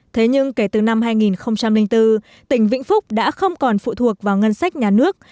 thế nhưng kể từ năm hai nghìn bốn tỉnh vĩnh phúc đã không còn phụ thuộc vào ngân sách nhà nước